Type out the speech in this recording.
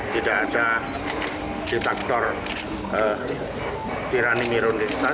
tidak ada detektor tirani mironitas